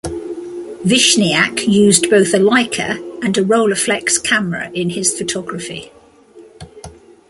Vishniac used both a Leica and a Rolleiflex camera in his photography.